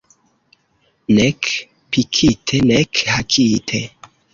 Nek pikite, nek hakite.